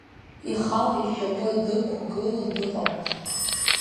Ихала ишьапы дықәгыло дыҟамызт.